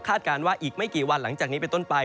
การว่าอีกไม่กี่วันหลังจากนี้เป็นต้นไป